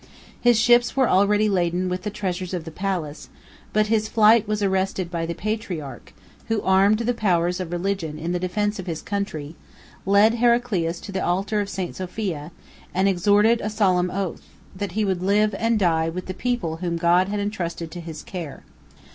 His ships were already laden with the treasures of the palace; but his flight was arrested by the patriarch, who armed the powers of religion in the defence of his country; led Heraclius to the altar of St. Sophia, and extorted a solemn oath, that he would live and die with the people whom God had intrusted to his care.